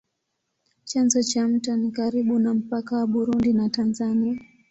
Chanzo cha mto ni karibu na mpaka wa Burundi na Tanzania.